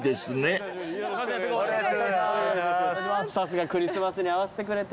さすがクリスマスに合わせてくれて。